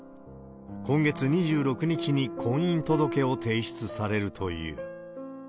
今月２６日に婚姻届を提出されるという。